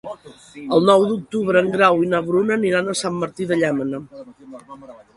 El nou d'octubre en Grau i na Bruna aniran a Sant Martí de Llémena.